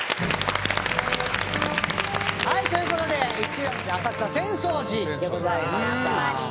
はいという事で１位は浅草浅草寺でございました。